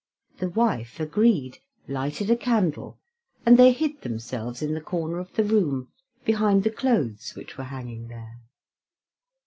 The wife agreed, lighted a candle, and they hid themselves in the corner of the room behind the clothes which were hanging there.